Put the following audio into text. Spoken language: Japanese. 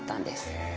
へえ。